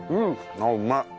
あっうまい。